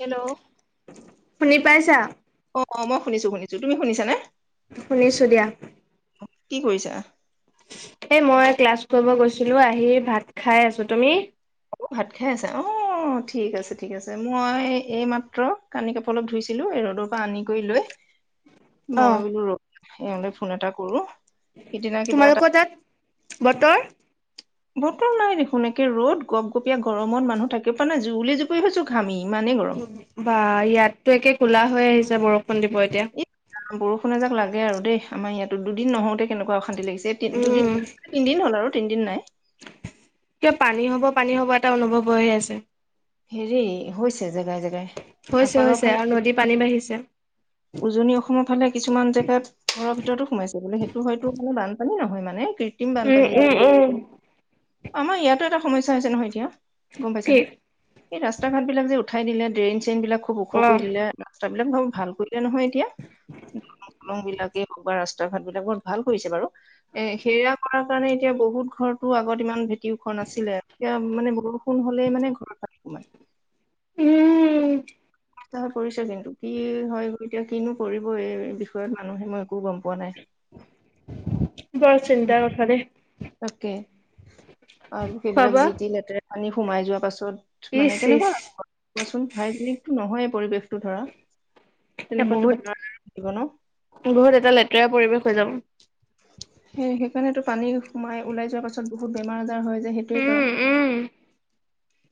Hello শুনি পাইছা? অ অ', মই শুনিছো শুনিছো তুমি শুনিছানে? শুনিছো দিয়া। কি কৰিছা? এ মই ক্লাছ কৰিব গৈছিলো আহি ভাত খাই আছো, তুমি? অ' ভাত খাই আছা অ' ঠিক আছে ঠিক আছে মই এইমাত্ৰ কানি কাপোৰ অলপ ধুইছিলোঁ। ৰ'দৰ পৰা আনি কৰি লৈ অ' মই বোলো ৰ ইয়ালৈ ফোন এটা কৰো, সিদিনা কিবা এটা তোমালোকৰ তাত বতৰ? বতৰ নাই দেখোন একে ৰ'দ গপ গপীয়া গৰমত মানুহ থাকে পৰা নাই জুল জুপৰি হৈছো ঘামি। ইমানেই গৰম বা ইয়াততো একে কোলা হৈ আহিছে বৰষুণ। দিব এতিয়া। এ বৰষুণ এ যাক লাগে আৰু দেই আমাৰ ইয়াতো দুদিন নহওঁতে কেনেকুৱা শান্তি লাগিছেতো উম, দুদিন তিনিদিন হ'ল আৰু তিনিদিন নাই। কিয় পানী হ'ব পানী হ'ব এটা অনুভৱ হৈহি আছে। হেৰি হৈছে জেগাই জেগাই হৈছে আপাৰৰ হৈছে ফালে আৰু নদীৰ পানী কিছুমান বাঢ়িছে। উজনি অসমৰ ফালে কিছুমান জেগাত ঘৰৰ ভিতৰতো সোমাইছে বোলে সেইটো হয়তো মানে বানপানী ন হয় মানে। কৃত্ৰিম উম, বানপানী উম, যিটো উম। আমাৰ ইয়াতো এটা সমস্যা হৈছে নহয় এতিয়া, গম কি? পাইছানে? এই ৰাস্তা ঘাট বিলাক যে উঠাই দিলে ড্ৰেইন চেইন বিাক খুব ওখ কৰি অ'। দিলে ৰাস্তা বিলাক বাও ভালকৈ তেয়া নহয় এতিয়া। লং বিলাকেই হওক বা ৰাস্তা ঘাট বিলাক বহুত ভাল কৰিছে বাৰু, এ সেয়া কৰাৰ কাৰণে এতিয়া বহুত ঘৰৰতো আগত ইমান ভেটি ওখ নাছিলে, এতিয়া মানে বহুত কোন হলেই মানে ঘৰত পানী সোমাই। উম, হৈ পৰিছে কিন্তু কি হৈ গল এতিয়া কিনো পৰিব এই বিষয়ত মানুহে মই একো গম পোৱা নাই। [inaudible] বৰ চিন্তা কথা দে। তাকে আৰু সেইবিলাক জিতি লেতেৰা পানী সোমাই যোৱা পাছত মানে ইচ ইচ। কেনেকুৱা কোৱাচোন হাইজেনিকো নহয়। পৰিৱেশটো ধৰা। এয়া তেনেকুৱাতো বহুত বেমাৰ আজাৰ থাকিব ন বহুত এটা লেতেৰা পৰিৱেশ হৈ যাব। সেই সেইকাৰণেতো পানী সোমাই ওলাই যোৱাৰ পাছত বহুত বেমাৰ আজাৰ হৈ যায় সেইটোৱে উম কাৰণ। উম।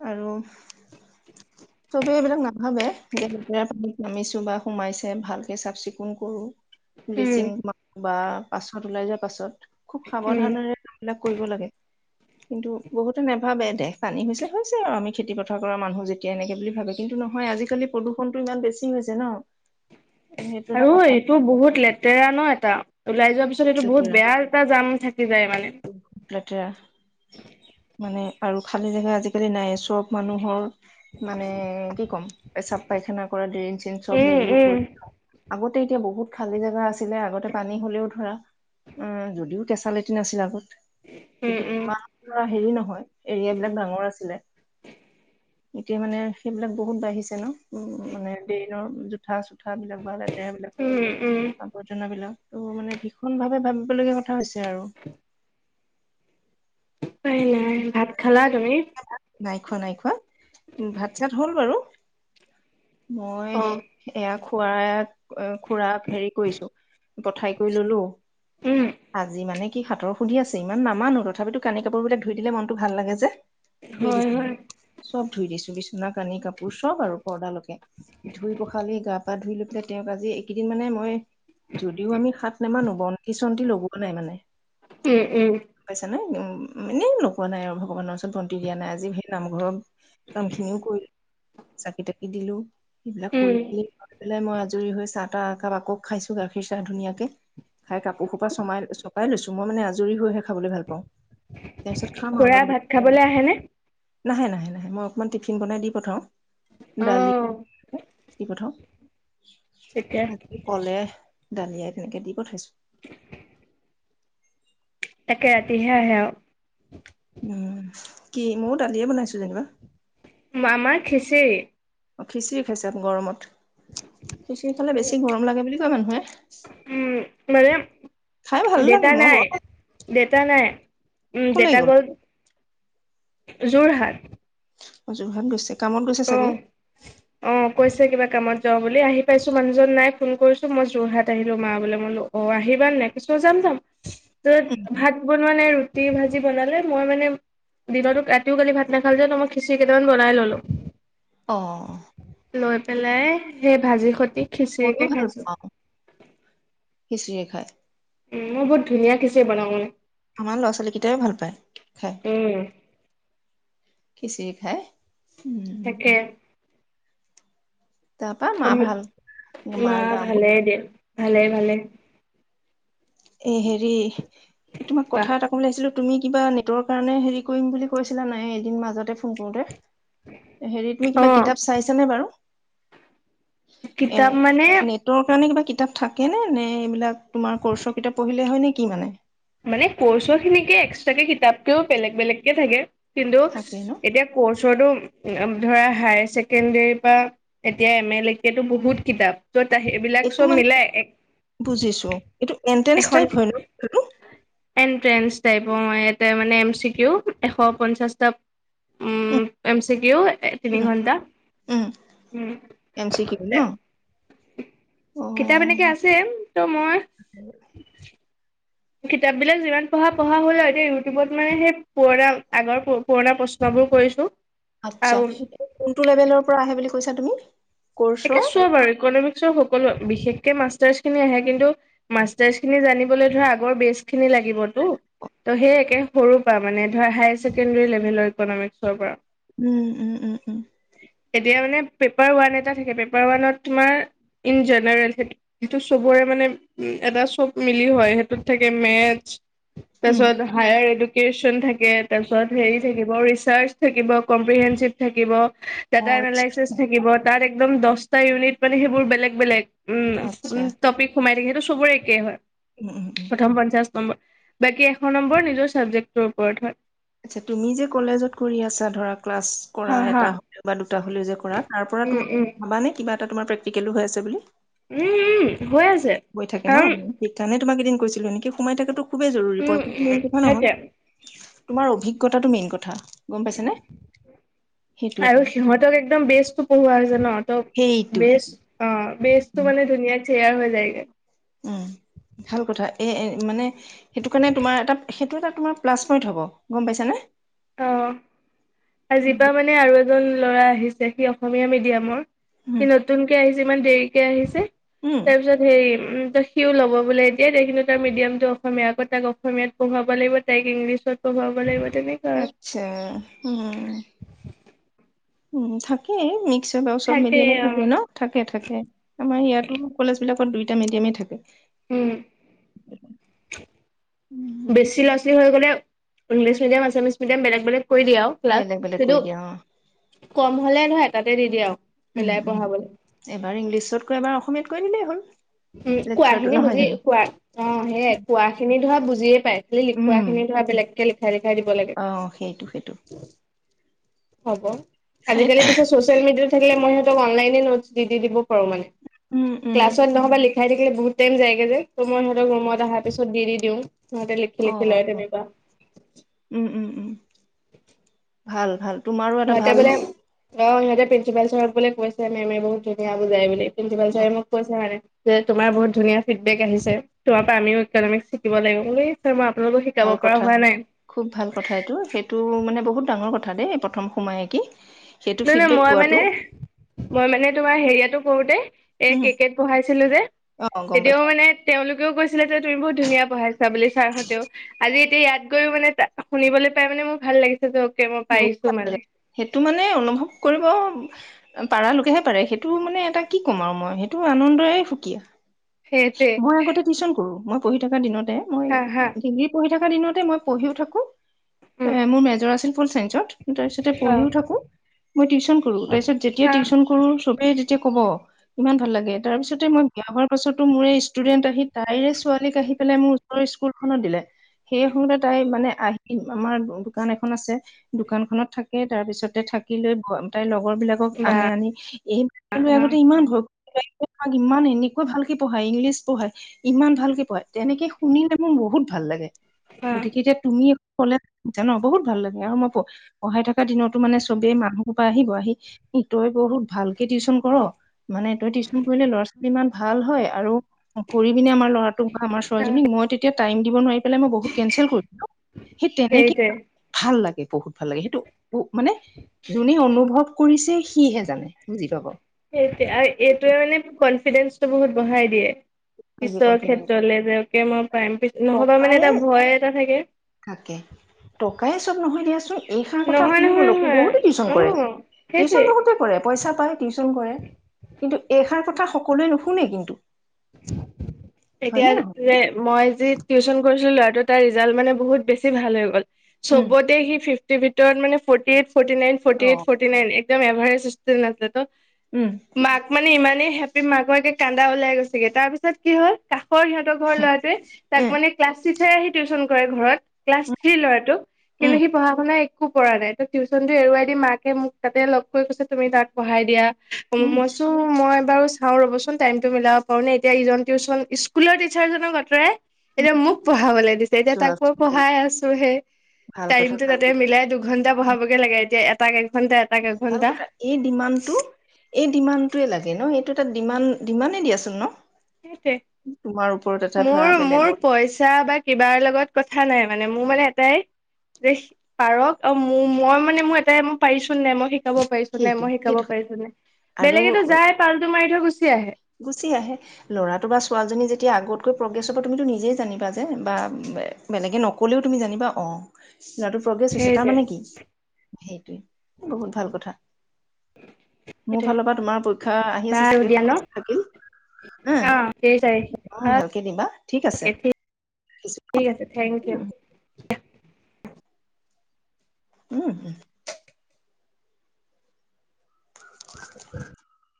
আৰু, চবেই এইবিলাক নাভাবে যে লেতেৰা পানী। নামিছো বা সোমাইছে ভালকে চাফ চিকুণ কৰো, ব্লিচিং উম। বা পাছত ওলাই যোৱা পাছত খুব উম সাৱধানেৰে এইবিলাক কৰিব লাগে। কিন্তু বহুতে নাভাবে দেহ পানী হৈছে হৈছে আৰু আমি খেতি পথাৰ কৰা মানুহ যেতিয়া এনেকে বুলি ভাবে কিন্তু নহয়। আজিকালি প্ৰদূষণতটো ইমান বেছি হৈছে ন। সেইটো এটা আৰু কথা এইটো বহুত লেতেৰা ন এটা। ওলাই যোৱা পিছত খুব সটো বহুত লেতেৰা বেয়া এটা জাম থাকি যায় মানে। খুব লেতেৰা আৰু খালি জেগা আজিকালি নাই আছো চব মানুহৰ মানে কি ক'ম পেচাপ পাইখানা কৰা ড্ৰন চেইন চব উম মিলি উম কৰি আগতে এতিয়া বহুত খালী জাগা আছিলে আগতে পানী হ'লেও ধৰা অ' যদিও কেঁচা লেটিন আছিল আগত, উম তেতিয়া উম ইমান ধৰা হেৰি নহয়। এৰিয়াবলাক ডাঙৰ আছিলে, এতিয়া মানে সেইবিলাক বহুত বাঢ়িছে ন। উম, মানে বেইনৰ জোঠা চোঠা বিলাক বা লেতেৰা উম উম বিলাক আৱৰ্জনাবিলাক। ত' মানে ভীষণ ভাৱে ভাবিবলগীয়া কথা হৈছে আৰু। [unintelligible] ভাত খালা? তুমি নাই খোৱা নাই খোৱা উ ভাত চাত হ'ল বাৰু। মই অ এয়া খোৱা খুৰা হেৰি কৰিছো। পঠাই কৰি ললোঁ। উম আজি মানে কি হাতৰ সুধি আছে। ইমান নামানো ত তথাপিতো কানি কাপোৰ বিলাক ধুই দিলে মনটো ভাল লাগে যে, ধুই হয় দিছো। হয় চব ধুই দিছো বিছনখ। চনা কানি কাপোৰ চব আৰু পৰ্দালকে ধুই পখালি গাপ। গা ধুই লৈ পেলাই তেওঁক আজি এইকেইদিন মানে মই যদিও আমি সাত নামানো বন্তি চন্তি লগোৱা নাই মানে। উম উম পাইছা নে এননে লগোৱা নাই আৰু ভগৱানৰ ওচৰত বন্তি দিয়া নাই আজি স নামঘৰৰ কাম খিনিও কৰি। চাকি-তাকি দিলো, সেইবিলাক কৰি উম মেলি গৈ পেলাই মই আজৰি হৈ চাহ টা কাপ আকৌ খাইছোঁ, গাখীৰ চাহ ধুনীয়াকে। খাই কাপোৰ সোপা চমাই- চপাই লৈছোঁ। মই মানে আজৰি হৈহে খাবলৈ ভাল পাওঁ তাৰপিছত খাম আৰু খুৰা অলপ। ভাত খাবলৈ আহেনে? নাহে - নাহে - নাহে। মই অকণমান টিফিন বনাই দি পঠাওঁ। অ দালি [inaudible] দি পঠাওঁ। তেতিয়া আহি কলে দালিয়াই তেনেকে দি পঠাইছো। তাকে ৰাতি হে আহে। উম, কি ময়ো দালিয়ে বনাইছো যেনিবা। আমাৰ খিচৰি।। অ খিচিৰি খাইচ গৰমত। খিচিৰ খালে বেছি গৰম লাগে বুলি কয় মানুহে। উম মানে। খাই ভাল লাগে দেউতা মই নাই বৰ। দেউতা নাই। উম, দেউতা গ'ল। যোৰহাট। অ যোৰহাত গৈছে কামত গৈছে চাগে। অ অ' কৈছে কিবা কামত যাওঁ বুলি। আহি পাইছোঁ মানুহজন নাই। ফোন কৰিছোঁ, মই যোৰহাট আহিলোঁ মা বোলে মই বোলো অ' অ' আহিবা নে নাই? কৈছে যাম - যাম। তত ভাত বনোৱা নাই ৰুটি ভাজি বনালে মই মানে। দিনতো ৰাতিও কালি ভাত নাখালো যে, মই খিচিৰি কেইটামান বনাই ললোঁ। অ লৈ পেলাই সেই ভাজি খতি। মইও ভাল পাওঁ খিচিৰিৰ খাই। উম, মই বহুত ধুনীয়া খিছিৰি বনাওঁ মানে। আমাৰ ল'ৰা-ছোৱালী কেইটাই ভাল পায় খাই। উম খিচিৰি খাই। উম তাকে। তাৰপা মা ভাল মা মাৰ গা মোৰ ভালে দে ভালে ভালে। এ হেৰি, তোমাক বাহ কথা এটা কওঁ বুলি ওলাইছিলো তুমি কিবা নেটৰ কাৰণে হেৰি কৰিম বুলি কৈছিলা নাই এদিন মাজতে ফোন কৰোতে। হেৰি তুমি অ কিবা কিতাপ চাইছানে বাৰু। এ কিতাপ মানে নেটৰ কাৰণে কিবা কিতাপ থাকে নে নে এইবিলাক তোমাৰ কৰ্চ। কিতাপ পঢ়িলে হয় নে কি মানে? মানে কৰ্চৰ খিনিকে এক্সট্ৰাকে কিতাপকেও বেলেগ বেলেগকে থাকে। কিন্তু, থাকে ন এতিয়া কৰ্চো ধৰা হায়াৰ ছেকেণ্ডৰী পৰা এতিয়া এম এলকেতো বহুত কিতাপ ত সেইবিলাক এইটো চব মানে মিলাই এক বুজিছো এইটো এন্ট্ৰেঞ্চ টাইপ হয় নে এটো এনট্ৰেঞ্চ টাইপৰ ইয়াতে মানে এম চিউ এশ পঞ্চাছটা উম এম চ কিউ তিনি উম ঘণ্টা। উম এম চিকিউ ন। অ কিতাপ এনেকে আছে ত' মই কিতাপ বিলাক যিমান পঢ়া-পঢ়া হ'ল আৰু এতিয়া ইউটিউবত মানে সেই পুৰণা আগৰ পুৰণা প্ৰশ্ন বোৰ কৰিছো। আচ্ছা, আৰু এই কোনটো লেভেলৰ পৰা আহে বুলি কৈছা তুমি? একে কৰ্চৰ? চব আৰু ইকনমিক্সৰ সকলো বিশেষকে মাষ্টাৰ্ছ খিনি আহে কিন্তু মাষ্টাৰছ খিনি জানিবলৈ ধৰা আগৰ বেচ খিনি লাগিবতো। ত' সেই একে সৰুৰ পৰা মানে ধৰা হায়াৰ ছেকেণ্ডৰী লেভেলৰ ইকনমিক্সৰ পৰা। উম-উম-উম-উম, এতিয়া মানে পেপাৰ ওৱান এটা থাকে পেপাৰ ওৱানত তোমাৰ ইন জেনেৰেল সেইটো চবৰে মানে উম এটা চব গিলিও হয় সেইটোত থাকে মেথচ উম, তাৰপিছত হাইয়াৰ এডো কেচন থাকে তাৰপিছত হেৰি থাকিব ৰিচাৰ্চ থাকিব কম্প্ৰিহেনঞ্চিভ থাকিব। ডাটা অ', এনালাইচিচ ৰিচাৰ্ছ। থাকিব। তাত একদম দহটা ইউনিট মানে সেইবোৰ বেলেগ বেলেগ আচ্ছা, উম টপিক সোমাই থাকে সেইটো চবৰে একেই হয় উম-উম-উম, নম্ব বাকী এশ নম্বৰ নিজৰ চাবজেক্টটোৰ ওপৰত হয়। আচ্ছা, তুমি যে কলেজত কৰি আছা ধৰা ক্লাছ কৰা হা হা এটা হ'লেও বা দুটা হ'লেও যে কৰা তাৰ পৰা উম তোমাক উম ভাবানে কিবা। তোমাৰ প্ৰেকটিকেলো হৈ আছে বুলি। উম উম হৈ আছে হৈ থাকে ন কাৰণ সেইকাৰণে তোমাক এদিন গৈছিলোঁ সোমাই থকাটো খুবেই জৰুৰী উম মেইন কথা সেইটোৱে নহয়। তোমাৰ অভিজ্ঞতা কথাটো মেইন কথা গম পাইছ নে। আৰু সিহঁতক একদম বেচটো পঢ়োৱা জান ত সেইটো বেছ অ বেছটো উম, মানে ধুনীয়া ক্লেয়াৰ হৈ যায়গে উম, ভাল কথা এ মানে সেইটো কাৰণে তোমাৰ এটা সেইটো এটা তোমাৰ প্লাছ পইণ্ট হব গম পাইছানে। অ' আজিপা মানে আৰু এজন ল'ৰা আহিছে সি অসমীয়া মিডিয়ামৰ, হুম সি নতুনকে আহিছে ইমান দেৰিকে আহিছে হুম তাৰপিছত হেৰি উম, ত সিও ল'ব বোলে এতিয়াই তাই কিন্তু তাৰ মিডিয়াম টো অসমীয়া আকৌ তাইক অসমীয়াত পঢ়াব লাগিব তাইক ইংলিছত। তাত পঢ়োৱাব লাগিব তেন আচ্ছা উম, উম, থাকেই মিক্সৰ বা চব মিডিয়ামে থাকে ন থাকে-থাকে। আমাৰ ইয়াতো কলেজ বিলাকত দুইটা মিডিয়ামেই থাকে উম [unintelligible] বেছি ল'ৰা ছোৱালী হৈ গ'লে ইংলিছ মিডিয়াম আছামিছ মিডিয়াম বেলেগ বেলেগ কৰি দিয়ে আৰু ক্লাছ বেলেগ বেলেগ কৰি দিয়া অ কিন্তু কম হ'লে নহয় এটাতে দি দিয়ে আৰু। উম মিলাই উম পঢ়াবলৈ এবাৰ ইংলিছত কয় এবাৰ অসমীয়াত কৈ দিলেই হ'ল উম, কোৱা লেকচাৰটো খিনি নহয় বুজি জানো কোৱা অ' সেইয়ে কোৱা খিনি ধৰা বুজিয়ে পায়। খালি লিখোৱা উম খিনি ধৰা বেলেগকে লিখাই লিখাই দিব লাগে অ সেইটো সেইটো হ'ব আজিকালি পিছে ছচিয়েল মিডিয়াতো থাকিলে মই অনলাইনে নোটছ দি-দি দিব। ফৰ মানে উম উম ক্লাছ ৰ দিনাখন দেখাই থাকিলে বহুত টাইম যায়গে যে তো মই সিঁহতক ৰুমত অহা পিছত দি দিওঁ। সিহঁতে লিখি অ লিখি লয় তেনেকুৱা উম উম উম ভাল ভাল তোমাৰো এটা সিহঁতে ভাল বোলে অ' সিহঁতে প্ৰিঞ্চিপাল চাৰক বোলে কৈছে মেমে বহুত ধুনীয়া বুজাই প্ৰিঞ্চিপাল চাৰে মোক কৈছে মানে যে তোমাৰ বহুত ধুনীয়া ফিডবেক আহিছে তোমাৰ পৰা আমি ইকনমিক্স শিকিব লাগিব বুলি [unintelligible] ভাল পৰা কথা হোৱা নাই খুব ভাল কথা এইটো সেইটো মানে বহুত ডাঙৰ কথা দেই প্ৰথম সোমায়ে কি? সেইটো নহ নহ ফিডবেক মই পোৱাটো মানে মই মানে তোমাৰ হেৰিয়টো কৰোতে এ উম কেকেট পঢ়াইছিলো যে। অ গম পাইছো তেতিয়াও মানে তেওঁলোকেও কৈছিলে যে তুমি বহুত ধুনীয়া পঢ়াইছা বুলি ছাৰহঁতেও আজি। এতিয়া ইয়াত গৈও মানে ত শুনিবলৈ পাই মানে মোৰ ভাল লাগিছে যে অকে মই বহুত পাৰিছো ভাল মানে। লাগে সেইটো মানে অনুভৱ কৰিব পাৰ লোকেহে পাৰে সেইটো মানে এটা কি ক'ম আৰু মই সেইটো আনন্দৰে সুকীয়া। সেইটোৱে মই আগতে টিউচন কৰোঁ, মই পঢ়ি থকা দিনতে মই হা হা ডিগী পঢ়ি থ একে দিনতে পঢ়িও থাকোঁ উম আৰু মেজৰ আছিল, তাৰি অ পঢ়িও থাকো মই টন কৰো তাৰপিছত যেতিয়া হা টিউচন কৰো চবেই যেতিয়া কব ইমান ভাল লাগে তাৰপিছত মই বিয়া হোৱাৰ পাছতো মোৰ ষ্টুডেন্ট আহি তাইৰে ছোৱালীক আহি পেলাই মোৰ ওচৰ স্কুলখনত দিলে। সেই সময়তে তাই মানে আহি আমাৰ দোকান এখন আছে। দোকান খনত থাকে তাৰপিছতে থাকিলৈ তাই লগ লগৰ বিলাকক বা আনে আনি এই অ আগতে ইমান ভয়। মাক ইমান এনেকুৱা ভালকে পঢ়ায় ইংলিছ পঢ়ায় ইমান ভালকে পঢ়ায় তেনেকে শুনিলে মোৰ বহুত ভাল লাগে। অ গতিকে এতিয়া তুমি ক'লে জান বহুত ভাল লাগে। আৰু মই পঢ়াই থকা দিনতো মানে চবেই মানুহৰ পৰা আহিব আহি ই তই বহুত ভালকে টিউশচন কৰ মানে তই টিউশন কৰিলে ল'ৰা ছোৱালী ইমান ভাল হয় আৰু। কৰি পিনে আমাৰ ল'ৰাটোক বা আমাৰ ছোৱাজনীক মই তেতিয়া টাইম দিব নোৱাৰিম কেন্সেল কৰিলোঁ, সেই তেনেকেই সেইটোৱে ভাল লাগে বহুত ভাল লাগে সেইটো মানে যোনে অনুভৱ কৰিছে সিহে জানে বুজি পাব সেইটোৱে আৰু এইটোৱে মানে কনফিডেন্ঞ্চটো বহুত বঢ়াই দিয়ে। নিজে পিছৰ কনফিডেন্স ক্ষেত্ৰলে যেকে মই পাইম পি নহবা মানে এটা ভয় এটা থাকে। তাকে টকাই চব নহয় দিয়াচোন এইখন কথা নহয় নহয় শুনিবলো বহুতে টিউশচন নহয় কৰে অ টিউশচন সেইটোৱে বহুতে কৰে পইচা। পায় টিউচন কৰে কিন্তু এইষাৰ কথা সকলোৱে নুশুনে কিন্তু। হয় এতিয়া নে নহয় যে মই যি টিউচন কৰিছিলো ল'ৰাটোত মানে বহুত বেছি ভাল হৈ উম গবতে স ফিফটিৰ ভিতৰত ফৰ এই ফৰ্তী এইত ফটি নাইন একদম এভাৰেজ ষ্টুদেন আছিলে টো উম মাক মানে ইমান [unintelligible] পি মাককে কান্দা লাই গৈছেগে তাৰ পিছত কি হ'ল কা হয়ৰ সিহঁতৰ ঘৰ ল'ৰাটোৱে তাক উম মানে ক্লাছ টিচাৰে আহি টিউশচন কৰে ঘৰত ক্লাছ থ্ৰ্ৰী ল'ৰাটো কিন্তু উম সি পঢ়া শুনা একো কৰা নাই ত টিউশচন টো এৰুৱাই দি মাকে মোক তাতে লগ কৈ কৈছে তুমি তাত পঢ়াই দিয়া। উম মইছো মই বাৰু চাও ৰ'বচোন টাইমতটো মিলাব কৰ নে এতিয়া ইজন টিউচন স্কুলৰ টিচাৰজনক আঁতৰাই এতিয়া মোক পঢ়াবলৈ দিছে এতিয়া চোৱা তাক মই পঢ়াই আছো হে, ভাল কথা টাইমতটো ভাল তাতে মিলাই দুঘন্টা বঢ়াবগে লাগে এতিয়া এটা ভাল কথা এই ডিমাণ্ডটো এই ডিমাণ্ডটোৱে লাগে ন এই তাত ডিমান ডিমানেই দিয়াচোন ন। সেই তোমাৰ ওপৰত এটা ধৰা মোৰ-মোৰ বেলেগৰ পইচা বা কিবাৰ লগত কথা কা নাই মানে মোৰ মানে এটাই যে পাৰক অ' ম মই মানে মোৰ এটাই মই পাৰিছোন নাই মই শিকাব পাৰিছো নাই সেইটো মই শিকাব সেইটো পাৰিছো নাই আৰু বেলেগেতো যাই পালটো মাৰি থৈ গুচি আহে গুচি আহে। ল'ৰাটো বা ছোৱালীজনী যেতিয়া আগতকৈ প্ৰগ্ৰেছ হ'ব তুমো নিজেই জানিবা যে বা বেলেগে নক কলেও তুমি জানিবা অ', লৰাটো প্ৰগ্ৰেছ হৈছে তাৰ সেইটোৱে মানে কি সেইটোৱে বহুত ভাল কথা মোৰ সেইটোৱে ফালৰ পৰা তোমাৰ পৰীক্ষা আহি আছে বাৰু দিয়া ন চাগেই। অ' কেই অ ভালকে দিবা ঠিক আছে তাৰিখে ৰাখিছো ঠিক আছে থেংক উম ইউ। উম, [unintelligible]